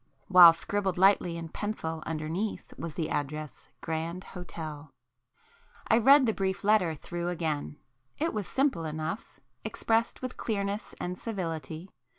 while, scribbled lightly in pencil underneath was the address 'Grand Hotel.' I read the brief letter through again,—it was simple enough,—expressed with clearness and civility.